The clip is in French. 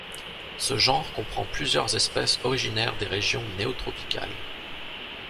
Ce genre comprend plusieurs espèces originaires des régions néotropicales.